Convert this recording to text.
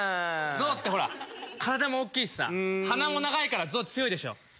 ゾウってほら体も大っきいしさ鼻も長いからゾウ強いでしょ。